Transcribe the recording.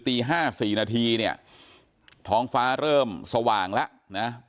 ตี๕๔นาทีเนี่ยท้องฟ้าเริ่มสว่างแล้วนะ